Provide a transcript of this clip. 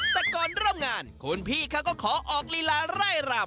แต่ก่อนเริ่มงานคุณพี่เขาก็ขอออกลีลาไร่รำ